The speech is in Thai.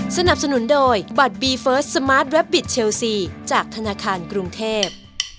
สนับสนุนโดยบัตรบีเฟิร์สสมาร์ทแวบบิตเชลซีจากธนาคารกรุงเทพ